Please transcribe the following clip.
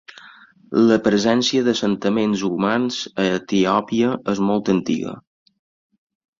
La presència d'assentaments humans a Etiòpia és molt antiga.